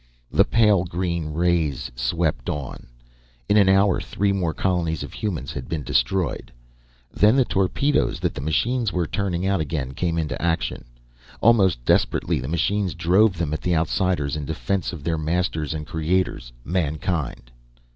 The pale green rays swept on. In an hour, three more colonies of humans had been destroyed. Then the torpedoes that the machines were turning out again, came into action. Almost desperately the machines drove them at the Outsiders in defense of their masters and creators, Mankind.